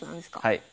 はい。